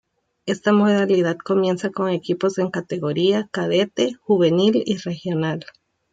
Esta modalidad comienza con equipos en categoría cadete, juvenil y regional.